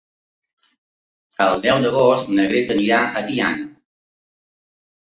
El deu d'agost na Greta anirà a Tiana.